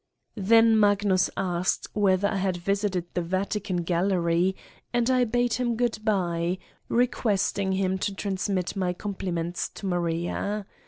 Then Magnus asked whether I had visited the Vatican gallery and I bade him good by, requesting him to transmit my compliments to Maria.